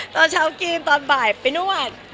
ตอนเช้ากินตอนบ่ายไปนวด